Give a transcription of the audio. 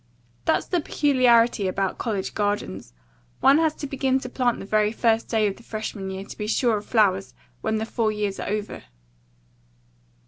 That's the peculiarity about college gardens. One has to begin to plant the very first day of the freshman year to be sure of flowers when the four years are over.